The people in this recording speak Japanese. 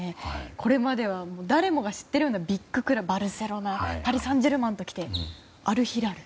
これまでは誰もが知っているようなビッグクラブ、バルセロナパリ・サンジェルマンときてアルヒラル。